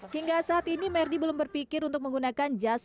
hingga saat ini merdi belum berpikir untuk menggunakan video reels mereka